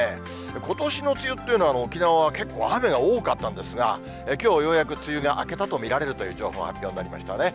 ことしの梅雨というのは、沖縄は結構、雨が多かったんですが、きょう、ようやく梅雨が明けたと見られるという情報、発表になりましたね。